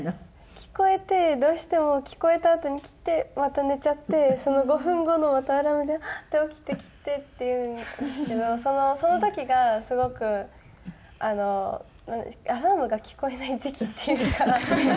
聞こえてどうしても聞こえたあとに切ってまた寝ちゃってその５分後のまたアラームでハッ！って起きて切ってっていうんですけどその時がすごくあのアラームが聞こえない時期っていうか。